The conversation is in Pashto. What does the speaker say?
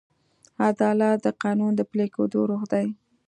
عدالت د قانون د پلي کېدو روح دی.